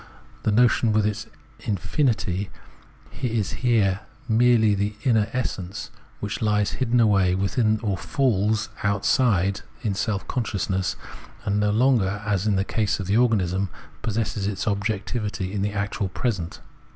The notion with its iniinity is here merely the inner essence, which lies hidden away within or falls outside in self consciousness, and no longer, as in the case of the organism, possesses its objectivity in the actual present.